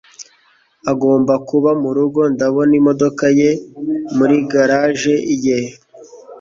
Agomba kuba murugo. Ndabona imodoka ye muri garage ye.